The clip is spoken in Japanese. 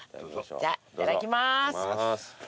じゃいただきます。